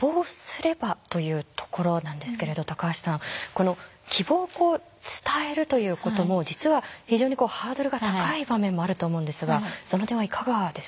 この希望を伝えるということも実は非常にハードルが高い場面もあると思うんですがその点はいかがですか？